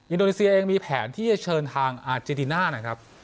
อินโดนีเซียเองมีแผนที่จะเชิญทางอาเจติน่านะครับ